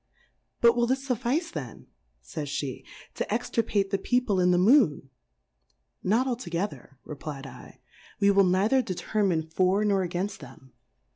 But will this fuiSice then, fajs fie^ to extirpate the People in the Moon? Not altogether, r^p/jV/, we will neither determine for, nor againft them.